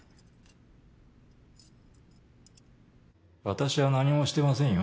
私は何もしてませんよ。